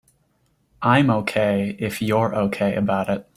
I'm OK if you're OK about it.